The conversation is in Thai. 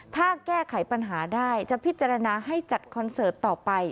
ถ้าแก้ไขปัญหาได้จะพิจารณาให้จัดคอนเสิร์ตต่อไป